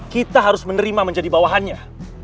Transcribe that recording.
kita harus menerima menjadi bawahannya